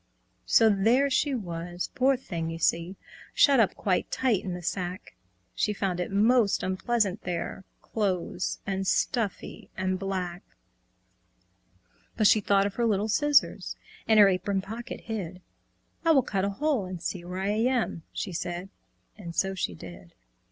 So there she was, poor thing, you see, Shut up quite tight in the sack; She found it most unpleasant there, Close and stuffy and black. But she thought of her little scissors, In her apron pocket hid. "I will cut a hole and see where I am," She said. And so she did.